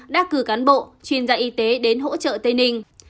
đã cử cán bộ chuyên gia y tế đến hỗ trợ tây ninh